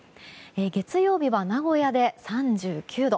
月曜日は名古屋で３９度。